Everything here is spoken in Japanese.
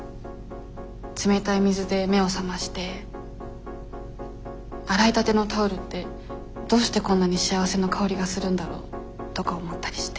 冷たい水で目を覚まして洗いたてのタオルってどうしてこんなに幸せの香りがするんだろうとか思ったりして。